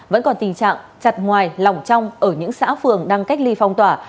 vẫn còn tình trạng chặt ngoài lỏng trong ở những xã phường đang cách ly phong tỏa